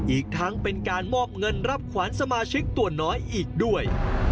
อีกทั้งเป็นการมอบเงินรับขวานสมาชิกตัวน้อยอีกด้วย